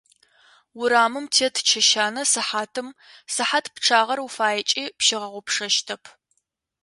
Урамым тет чэщанэ сыхьатым, сыхьат пчъагъэр уфаекӏи пщигъэгъупшэщтэп.